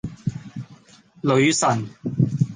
女神